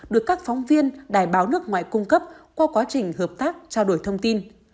được các phóng viên đài báo nước ngoài cung cấp qua quá trình hợp tác trao đổi thông tin